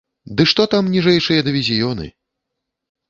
Ды што там ніжэйшыя дывізіёны!